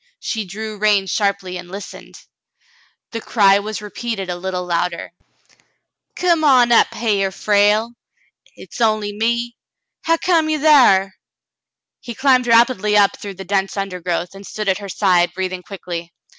She drew rein sharply and listened. The cry was repeated a little louder. Aunt Sally meets Frale 31 "Come on up hyar, Frale. Hit's on'y me. Hu' come you thar ? He climbed rapidly up through the dense undergrowth, and stood at her side, breathing quickly.